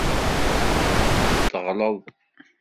Teɣleḍ.